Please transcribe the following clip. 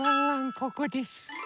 ここです。